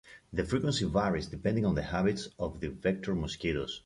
The frequency varies depending on the habits of the vector mosquitos.